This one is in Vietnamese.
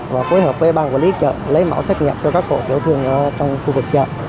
và phối hợp với ban quản lý chợ lấy mẫu xét nghiệm cho các hộ tiểu thương trong khu vực chợ